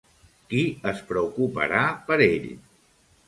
Qui es preocuparà per ell?